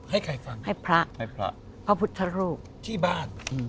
ให้ใครฟังให้พระให้พระพระพุทธรูปที่บ้าน